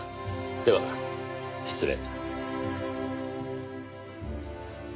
では失礼。